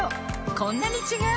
こんなに違う！